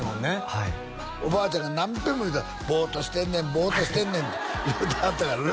はいおばあちゃんが何べんも言うてた「ボーッとしてんねんボーッとしてんねん」って言うてはったからね